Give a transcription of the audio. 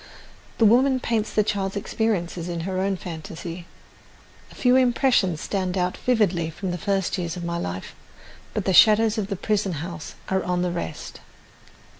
The woman paints the child's experiences in her own fantasy. A few impressions stand out vividly from the first years of my life; but "the shadows of the prison house are on the rest."